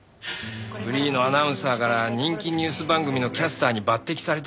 フリーのアナウンサーから人気ニュース番組のキャスターに抜擢されてさ。